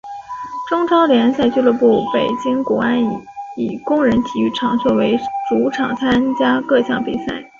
中超联赛俱乐部北京国安以工人体育场作为主场参加各项比赛。